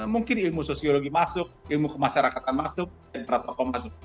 mungkin ilmu sosiologi masuk ilmu kemasyarakatan masuk dan protokol masuk